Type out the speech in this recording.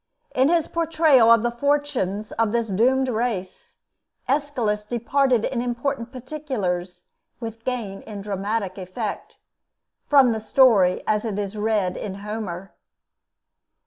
In his portrayal of the fortunes of this doomed race, Aeschylus departed in important particulars, with gain in dramatic effect, from the story as it is read in Homer.